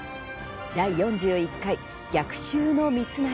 第４１回「逆襲の三成」